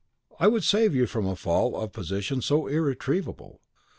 I would save you from a fall of position so irretrievable.